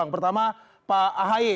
pertama pak ahaye